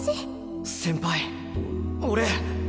先輩俺。